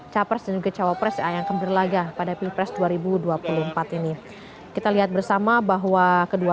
capres dan juga cawapres yang akan berlaga pada pilpres dua ribu dua puluh empat ini kita lihat bersama bahwa kedua